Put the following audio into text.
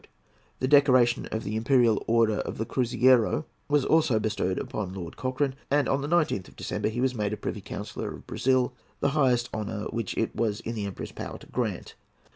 The decoration of the Imperial Order of the Cruizeiro was also bestowed upon Lord Cochrane, and on the 19th of December he was made a Privy Councillor of Brazil, the highest honour which it was in the Emperor's power to grant.